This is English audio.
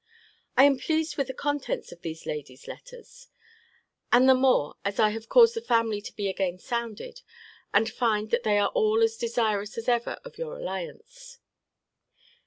I am pleased with the contents of these ladies' letters. And the more, as I have caused the family to be again sounded, and find that they are all as desirous as ever of your alliance.